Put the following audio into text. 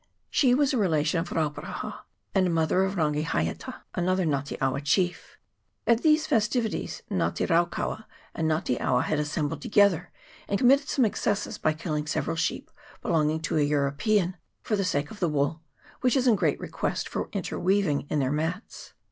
She was a relation of Rauparaha, and mother of Rangi haiata, another Nga te awa chief. At these festivities Nga te raukaua and Nga te awa had assembled together and committed some excesses by killing several sheep belonging to a European, for the sake of the wool, which is in great request for interweaving in their mats.